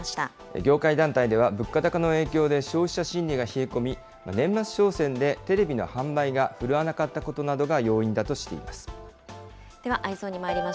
業界団体では物価高の影響で消費者心理が冷え込み、年末商戦でテレビの販売が振るわなかったことなどが要因だとしています。